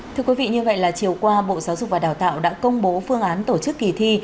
thưa quý vị như vậy là chiều qua bộ giáo dục và đào tạo đã công bố phương án tổ chức kỳ thi